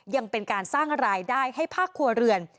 ยังเป็นการสร้างรายได้ให้ภาคครัวเรือน